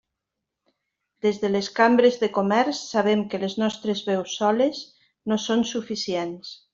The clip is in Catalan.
Des de les cambres de comerç sabem que les nostres veus soles no són suficients.